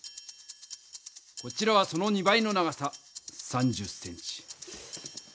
こちらはその２倍の長さ３０ｃｍ。